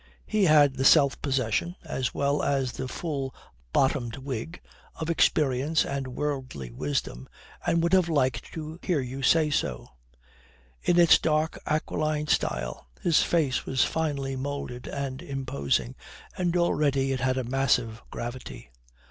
He had the self possession as well as the full bottomed wig of experience and worldly wisdom, and would have liked to hear you say so. In its dark aquiline style his face was finely moulded and imposing, and already it had a massive gravity.